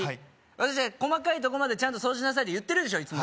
私は細かいとこまでちゃんと掃除しなさいって言ってるでしょ